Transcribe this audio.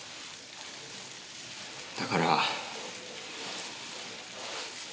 だから。